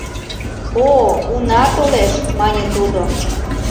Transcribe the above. — О, уна толеш, — мане тудо.